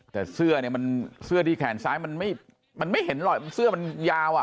แต่เสื้อเนี่ยมันเสื้อที่แขนซ้ายมันไม่เห็นหรอกเสื้อมันยาวอ่ะ